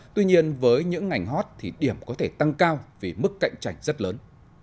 tuy nhiên với những ngành hot thì điểm có thể tăng cao vì mức cạnh tranh rất lớn